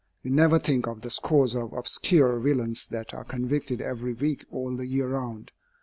We never think of the scores of obscure villains that are convicted every week all the year round.